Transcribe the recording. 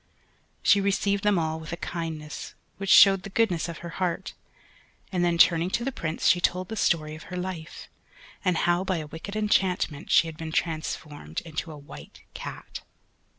She received them all with a kindness which showed the goodness of her heart, and then turning to the Prince she told the story of her life, and how by a wicked enchantment she had been transformed into a White Cat.